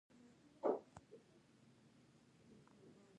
په دې ترتیب پلارواکۍ د مورواکۍ ځای ونیو.